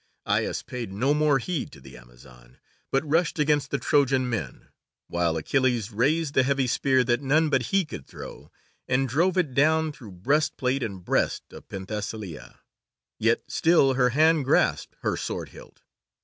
Aias paid no more heed to the Amazon, but rushed against the Trojan men; while Achilles raised the heavy spear that none but he could throw, and drove it down through breastplate and breast of Penthesilea, yet still her hand grasped her sword hilt.